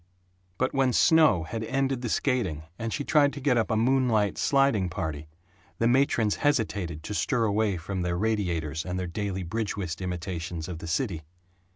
But when snow had ended the skating and she tried to get up a moonlight sliding party, the matrons hesitated to stir away from their radiators and their daily bridge whist imitations of the city.